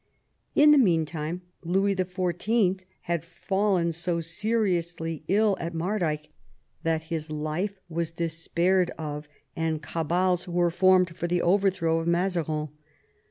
In the meantime Louis XIV. had fallen so seriously ill at Mardyke that his life was despaired of, and cabals were formed for the overthrow of Mazarin.